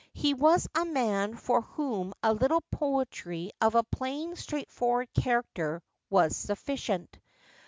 He was a man for whom a little poetry of a plain straightforward character was sufficient.